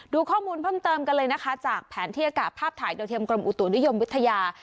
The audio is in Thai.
ดูข้อมูลเพิ่มเติมกันเลยนะคะจากแผนที่อากาศภาพถ่ายโดยเทียมกรมอุตุนิยมวิทยา